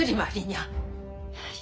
はい。